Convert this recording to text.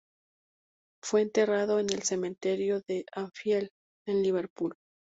Fue enterrado en el cementerio de Anfield, en Liverpool.